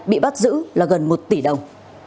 bị bắt giữ là gần một tỷ đồng